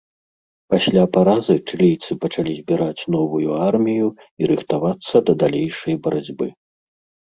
Пасля паразы чылійцы пачалі збіраць новую армію і рыхтавацца да далейшай барацьбы.